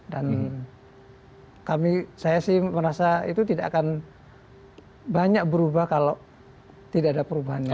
dan kami saya sih merasa itu tidak akan banyak berubah kalau tidak ada perubahannya